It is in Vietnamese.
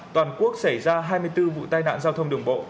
toàn quốc xảy ra hai mươi bốn vụ tai nạn giao thông đường bộ